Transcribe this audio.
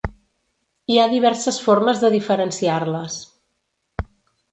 Hi ha diverses formes de diferenciar-les.